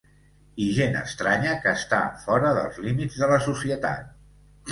I gent estranya que està fora dels límits de la societat